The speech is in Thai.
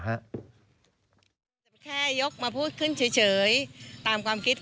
จะแค่ยกมาพูดขึ้นเฉยตามความคิด